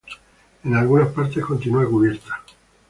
En algunas partes continúa cubierta.